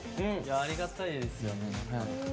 ありがたいですよね。